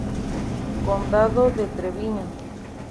Condado de Treviño.